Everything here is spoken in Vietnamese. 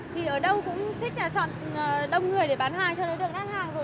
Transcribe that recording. thì ở đâu cũng thích là chọn đông người để bán hàng cho đối tượng khách hàng rồi